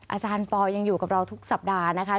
อาจารย์ปอยังอยู่กับเราทุกสัปดาห์นะคะ